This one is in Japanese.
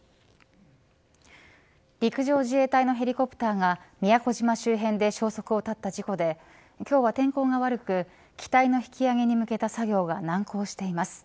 陸上自衛隊のヘリコプターが宮古島周辺で消息を絶った事故で今日は天候が悪く機体の引き揚げに向けた作業が難航しています。